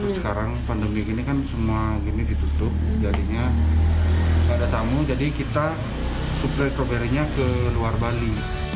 sekarang pandemi ini kan semua ini ditutup jadinya tidak ada tamu jadi kita supply stroberinya ke luar bali